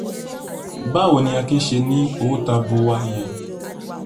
Báwo ni Akin ṣe ní owó tabuwa yẹn.